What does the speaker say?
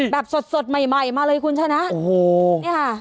แบบสดสดใหม่ใหม่มาเลยคุณชนะโอ้โหเนี่ยค่ะ